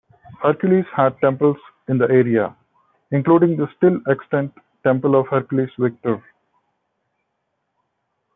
Hercules had temples in the area, including the still extant Temple of Hercules Victor.